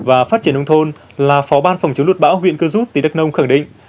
và phát triển nông thôn là phó ban phòng chống lụt bão huyện cư giúp tỉ đất nông khẳng định